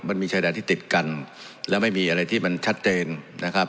มันมีชายแดนที่ติดกันและไม่มีอะไรที่มันชัดเจนนะครับ